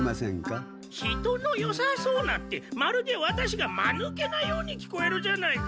人のよさそうなってまるでワタシがまぬけなように聞こえるじゃないか。